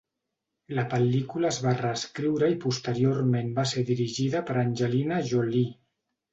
La pel·lícula es va reescriure i posteriorment va ser dirigida per Angelina Jolie.